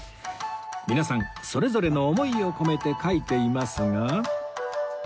皆さんそれぞれの思いを込めて書いていますが